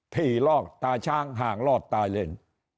ที่ลอกตาช้างห่างรอดตายเล่น